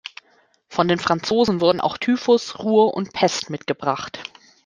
Von den Franzosen wurden auch Typhus, Ruhr und Pest mitgebracht.